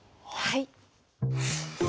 はい。